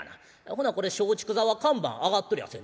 ほなこれ松竹座は看板上がっとりゃせん。